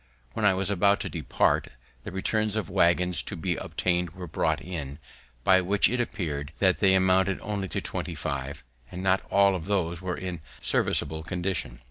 When I was about to depart, the returns of waggons to be obtained were brought in, by which it appear'd that they amounted only to twenty five, and not all of those were in serviceable condition.